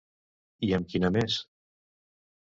I amb quina més?